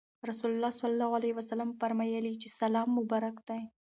رسول الله صلی الله عليه وسلم فرمایلي چې سلام مبارک دی.